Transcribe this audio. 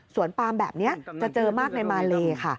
ปาล์มแบบนี้จะเจอมากในมาเลค่ะ